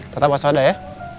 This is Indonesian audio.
tetap asal ada ya